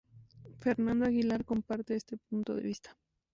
Fernando Aguiar comparte este punto de vista.